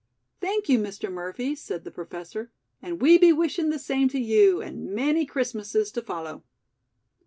"Thank you, Mr. Murphy," said the Professor, "and we be wishin' the same to you and many Christmasses to follow."